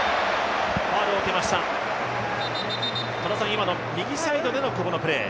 今の右サイドでの久保のプレー。